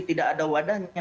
tidak ada wadahnya